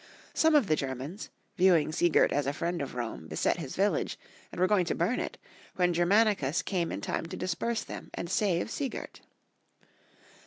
Some of the Germans, viewing Siegert as a friend of Rome, beset his village, and were going to bum it, when Germanicus came in time to disperse them and save Siegert.